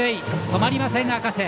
止まりません、赤瀬！